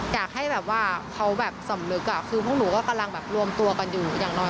อยากให้แบบว่าเขาแบบสำนึกคือพวกหนูก็กำลังแบบรวมตัวกันอยู่อย่างน้อย